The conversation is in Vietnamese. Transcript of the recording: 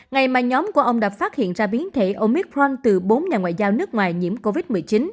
ngày mà nhóm của ông đã phát hiện ra biến thể omicron từ bốn nhà ngoại giao nước ngoài nhiễm covid một mươi chín